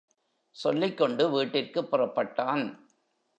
சொல்லிக் கொண்டு வீட்டிற்குப் புறப்பட்டான்.